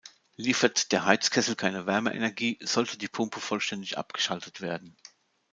Liefert der Heizkessel keine Wärmeenergie, sollte die Pumpe vollständig abgeschaltet werden.